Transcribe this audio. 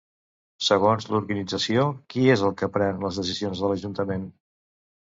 Segons l'organització, qui és el que pren les decisions de l'Ajuntament?